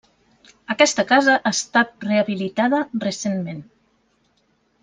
Aquesta casa ha estat rehabilitada recentment.